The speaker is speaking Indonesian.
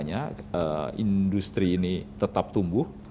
kita ingin industri ini tetap tumbuh